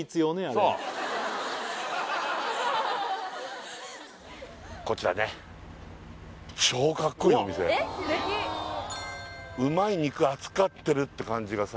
そうこちらねうまい肉扱ってるって感じがさ